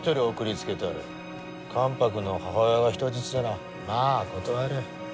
関白の母親が人質ならま断れん。